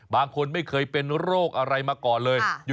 บางคนไม่เคยเป็นโรคอะไรมาก่อนเลย